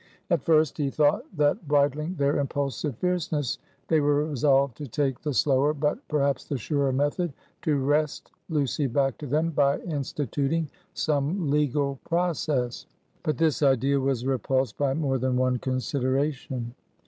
At first he thought, that bridling their impulsive fierceness, they were resolved to take the slower, but perhaps the surer method, to wrest Lucy back to them, by instituting some legal process. But this idea was repulsed by more than one consideration.